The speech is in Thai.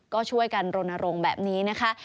ก็ช่วยกันรณรงค์แบบนี้นะคะ